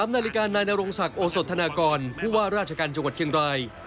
นาฬิกานายนรงศักดิ์โอสธนากรผู้ว่าราชการจังหวัดเชียงราย